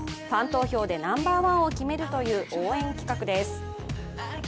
ファン投票で、ナンバーワンを決めるという応援企画です。